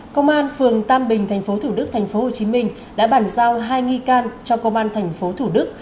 công an phường tam bình tp thủ đức tp hcm đã bàn giao hai nghi can cho công an tp thủ đức